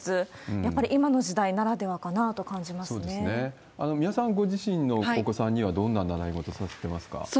やっぱり今の時代ならではかなと三輪さん、ご自身のお子さんにはどんな習い事させてますか？